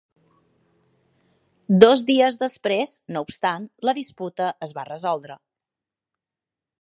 Dos dies després, no obstant, la disputa es va resoldre.